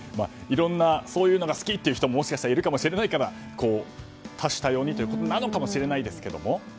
いろいろなそういうのが好きっていう人がもしかしたらいるかもしれないから多種多様にということなのかもしれないですけども。